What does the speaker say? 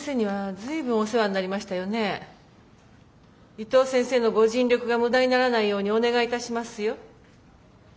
伊藤先生のご尽力が無駄にならないようにお願いいたしますよ。